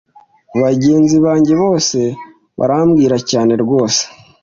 Bagenzi banjye bose barambwira cyane rwose